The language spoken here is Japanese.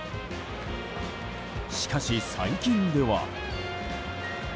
しかし、最近では。